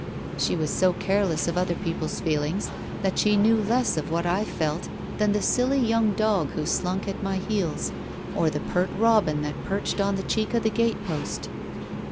She was so careless of other people's feelings that she knew less of what I felt than the siUy young dog who slunk at my heels — or the pert robin that perched on the cheek of the gate post.